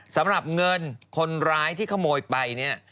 สำหรับเงินคนร้ายที่ขโมยไปเนี่ย